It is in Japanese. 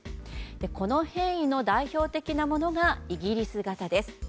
この変異の代表的なものがイギリス型です。